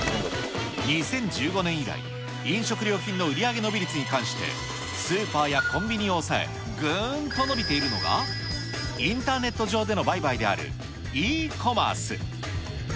２０１５年以来、飲食料店の売り上げ伸び率に関して、スーパーやコンビニを抑え、ぐんと伸びているのが、インターネット上での売買であるＥコマース。